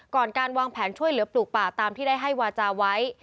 การวางแผนช่วยเหลือปลูกป่าตามที่ได้ให้วาจาไว้